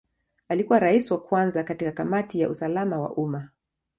Alikuwa Rais wa kwanza katika Kamati ya usalama wa umma.